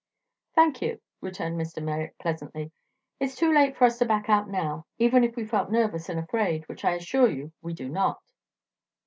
"Thank you," returned Mr. Merrick pleasantly. "It's too late for us to back out now, even if we felt nervous and afraid, which I assure you we do not."